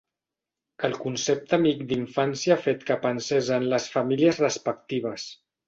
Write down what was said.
El concepte amic-d'infància ha fet que pensés en les famílies respectives.